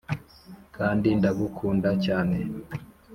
kandi ndagukunda cyne